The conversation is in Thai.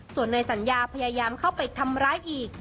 ส่วนนายสัญญาพยายามเข้าไปทำร้ายอีก